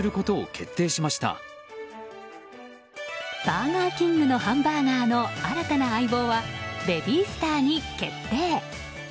バーガーキングのハンバーガーの新たな相棒はベビースターに決定。